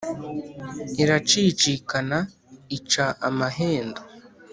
iracicikana ica amahendo